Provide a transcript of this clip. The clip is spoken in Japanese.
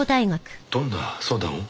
どんな相談を？